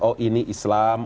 oh ini islam